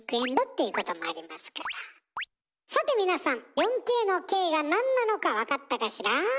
ということでさて皆さん４Ｋの「Ｋ」がなんなのか分かったかしら？